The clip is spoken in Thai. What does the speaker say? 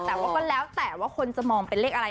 แต่ว่าก็แล้วแต่ว่าคนจะมองเป็นเลขอะไร